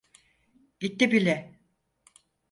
Gitti bile.